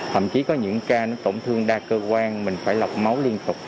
thậm chí có những ca nó tổn thương đa cơ quan mình phải lọc máu liên tục